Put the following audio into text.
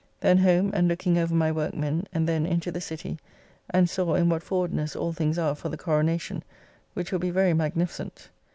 Then home and looking over my workmen, and then into the City and saw in what forwardness all things are for the Coronacion, which will be very magnificent.